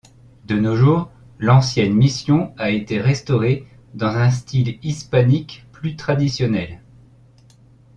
De nos jours, l'ancienne mission a été restaurée dans un style hispanique plus traditionnel.